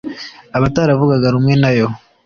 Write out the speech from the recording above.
abataravugaga rumwe na yo